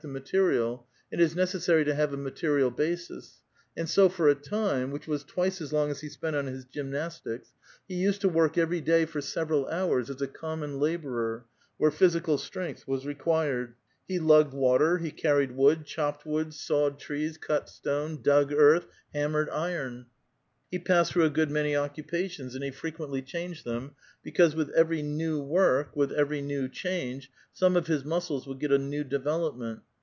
This was good ; but gymnastics only perfect the material, and it is necessary to have a material basis ; and so for a time, which was twice as long as he spent on his gymnastics, he used to work every day for several hours as a common laborer, where physical strength was required, lie lugged water, he carried woo<l, chopped wood, sawed trees, cut stone, dug eai*th, ham mered iron ; he passed through a good many occupations, and he frequently changed them, because with every new work, with every change, some of his muscles would get & new development.